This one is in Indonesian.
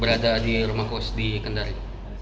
berada di rumah kos di kendari